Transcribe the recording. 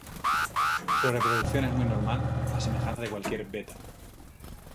Su reproducción es muy normal, a semejanza de cualquier "Betta".